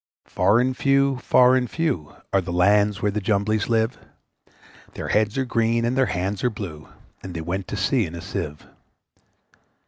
Far and few, far and few, Are the lands where the Jumblies live; Their heads are green, and their hands are blue, And they went to sea in a Sieve.